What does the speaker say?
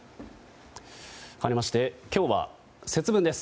かわりまして今日は節分です。